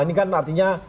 ini kan artinya